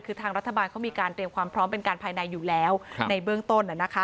คือทางรัฐบาลเขามีการเตรียมความพร้อมเป็นการภายในอยู่แล้วในเบื้องต้น